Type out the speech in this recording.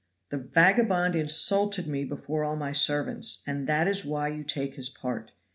"The vagabond insulted me before all my servants, and that is why you take his part.